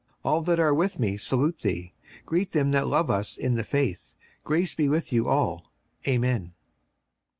56:003:015 All that are with me salute thee. Greet them that love us in the faith. Grace be with you all. Amen.